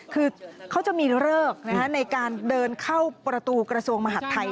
คือเขาจะมีเลิกในการเดินเข้าประตูกระทรวงมหาดไทย